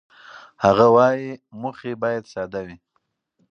هغه وايي، موخې باید ساده وي.